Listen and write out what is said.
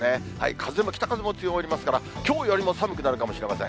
風も、北風も強まりますから、きょうよりも寒くなるかもしれません。